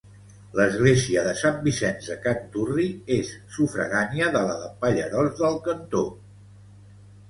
L'església de Sant Vicenç de Canturri és sufragània de la de Pallerols del Cantó.